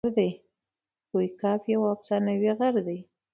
کوه قاف یو افسانوي غر دئ.